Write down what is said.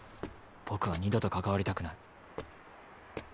僕は二度と関わりたくない。